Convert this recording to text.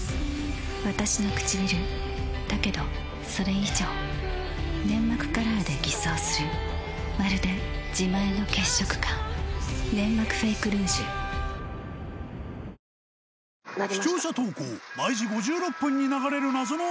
わたしのくちびるだけどそれ以上粘膜カラーで偽装するまるで自前の血色感「ネンマクフェイクルージュ」カップヌードル辛麺は？